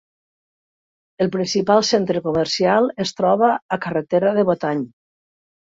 El principal centre comercial es troba a carretera de Botany.